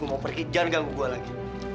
gua mau pergi jangan ganggu gua lagi